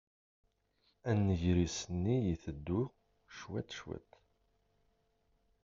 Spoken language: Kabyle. Anegris-nni itteddu cwiṭ, cwiṭ.